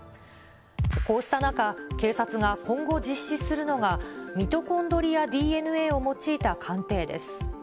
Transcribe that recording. こうした中、警察が今後実施するのが、ミトコンドリアＤＮＡを用いた鑑定です。